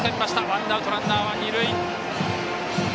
ワンアウト、ランナーは二塁。